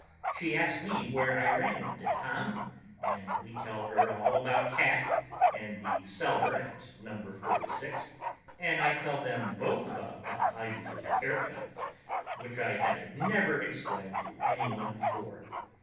She asks me where I ran into Tom, and we tell her all about Cat and the cellar at Number Forty six, and I tell them both about my Ivy League haircut, which I had never explained to anyone before.